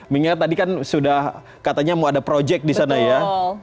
mengingat tadi kan sudah katanya mau ada project di sana ya